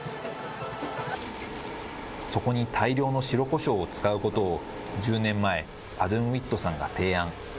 そこに大量の白こしょうを使うことを１０年前、アドゥンウィットさんが提案。